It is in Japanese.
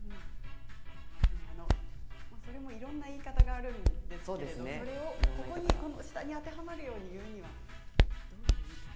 それもいろんな言い方があるんですけどこの下に当てはまるように言うには。